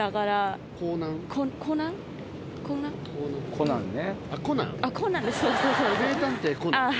『コナン』ね。